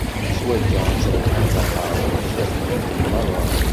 S wakka, ad trefdeḍ aqerru-m zdat n medden meṛṛa.